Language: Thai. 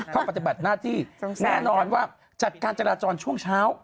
ปฏิบัติหน้าที่แน่นอนว่าจัดการจราจรช่วงเช้า